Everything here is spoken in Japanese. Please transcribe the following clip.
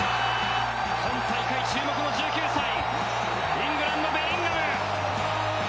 本大会注目の１９歳イングランドベリンガム。